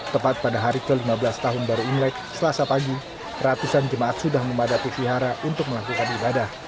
tepat pada hari ke lima belas tahun baru imlek selasa pagi ratusan jemaat sudah memadati vihara untuk melakukan ibadah